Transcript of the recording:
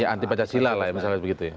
ya anti pancasila lah misalnya begitu ya